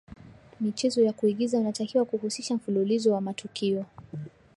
michezo ya kuigiza unatakiwa kuhusisha mfululizo wa matukio